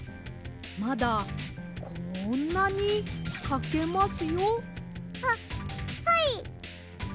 まだこんなにかけますよ。ははい！